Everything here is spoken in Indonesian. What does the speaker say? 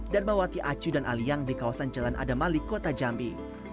dan bawa tiaju dan aliyang di kawasan jalan adamali kota jambi